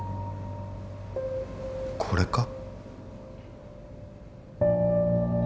これか？